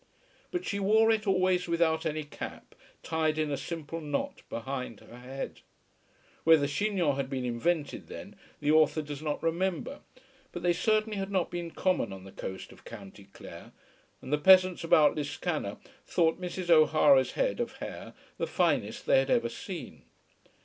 But she wore it always without any cap, tied in a simple knot behind her head. Whether chignons had been invented then the author does not remember, but they certainly had not become common on the coast of County Clare, and the peasants about Liscannor thought Mrs. O'Hara's head of hair the finest they had ever seen.